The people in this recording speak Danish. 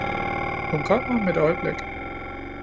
Hun kommer om et øjeblik.